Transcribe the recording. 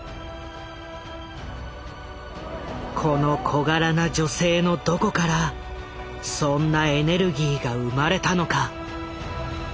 この小柄な女性のどこからそんなエネルギーが生まれたのか。